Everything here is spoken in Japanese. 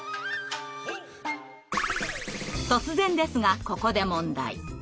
突然ですがここで問題。